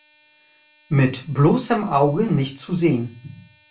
Mit bloßem Auge nicht zu sehen.